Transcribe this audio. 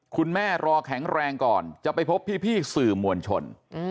รอแข็งแรงก่อนจะไปพบพี่สื่อมวลชน